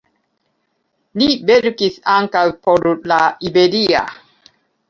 Li verkis ankaŭ por "La Iberia".